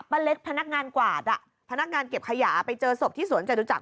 เล็กพนักงานกวาดอ่ะพนักงานเก็บขยะไปเจอศพที่สวนจตุจักร